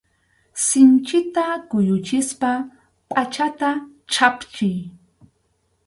Sinchita kuyuchispa pʼachata chhapchiy.